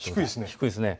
低いですね。